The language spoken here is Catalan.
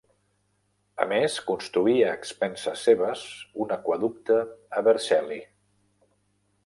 A més, construí a expenses seves un aqüeducte a Vercelli.